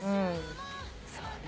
そうね。